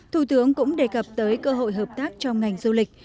thủ tướng cũng đề cập tới cơ hội hợp tác trong ngành du lịch